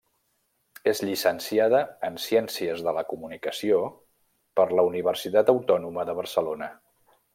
És llicenciada en Ciències de la Comunicació per la Universitat Autònoma de Barcelona.